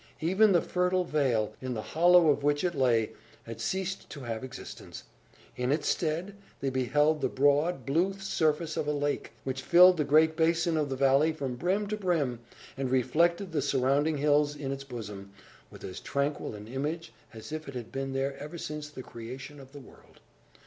Even the fertile vale, in the hollow of which it lay, had ceased to have existence. In its stead, they beheld the broad, blue surface of a lake, which filled the great basin of the valley from brim to brim, and reflected the surrounding hills in its bosom with as tranquil an image as if it had been there ever since the creation of the world.